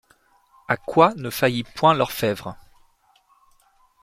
A quoy ne faillit point l’orphebvre.